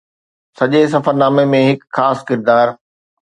سڄي سفرنامي ۾ هڪ خاص ڪردار